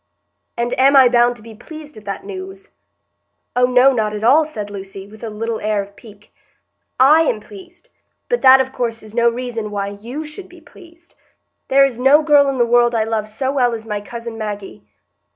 "And am I bound to be pleased at that news?" "Oh no, not at all," said Lucy, with a little air of pique. "I am pleased, but that, of course, is no reason why you should be pleased. There is no girl in the world I love so well as my cousin Maggie."